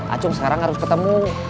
acung sekarang harus ketemu